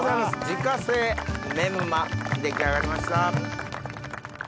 自家製メンマ出来上がりました。